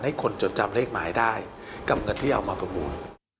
ให้คนจดจำเลขหมายได้กับเงินที่เอามาประมูล